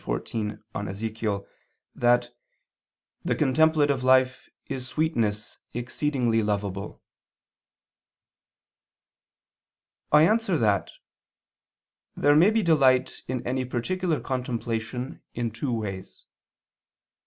xiv in Ezech.) that "the contemplative life is sweetness exceedingly lovable." I answer that, There may be delight in any particular contemplation in two ways.